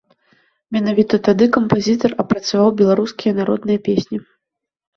Менавіта тады кампазітар апрацаваў беларускія народныя песні.